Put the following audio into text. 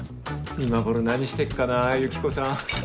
今頃何してっかなぁユキコさん。